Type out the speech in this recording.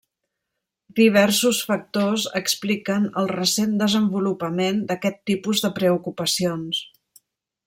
Diversos factors expliquen el recent desenvolupament d'aquest tipus de preocupacions.